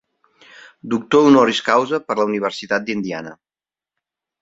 Doctor honoris causa per la Universitat d'Indiana.